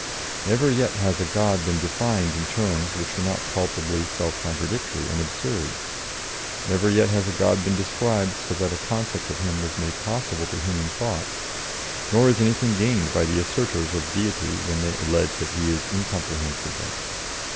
Never yet has a God been defined in terms which were not palpably self contradictory and absurd; never yet has a God been described so that a concept of Him was made possible to human thought Nor is anything gained by the assertors of Deity when they allege that He is incomprehensible.